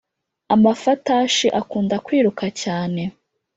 amafatashi akunda kwiruka cyane